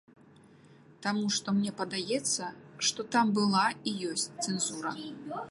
Таму што мне падаецца, што там была і ёсць цэнзура.